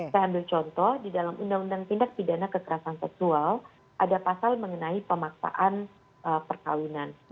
saya ambil contoh di dalam undang undang tindak pidana kekerasan seksual ada pasal mengenai pemaksaan perkawinan